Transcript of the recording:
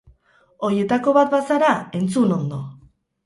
Horietako bat bazara entzun ondo!